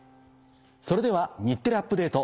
それでは『日テレアップＤａｔｅ！』